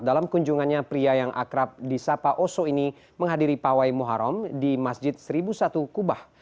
dalam kunjungannya pria yang akrab di sapa oso ini menghadiri pawai muharam di masjid seribu satu kubah